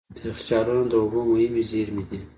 یخچالونه د اوبو مهم زیرمه دي.